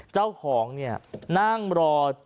เจ้าของเนี่ยนั่งรอ